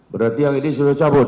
berarti yang ini sudah dicabut